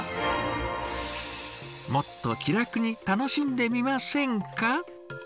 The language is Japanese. もっと気楽に楽しんでみませんか？